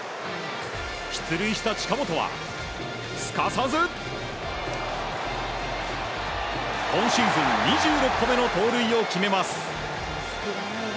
出塁した近本は、すかさず今シーズン２６個目の盗塁を決めます。